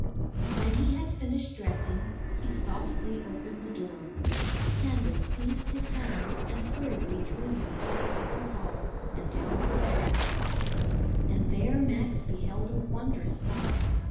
When he had finished dressing he softly opened the door. Candace seized his hand and hurriedly drew him through the upper hall and down the stairs. And there Max beheld a wondrous sight.